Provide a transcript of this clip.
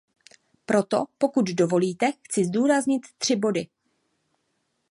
Proto, pokud dovolíte, chci zdůraznit tři body.